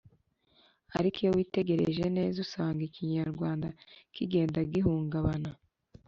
ariko iyo witegereje neza usanga ikinyarwanda kigenda gihungabana,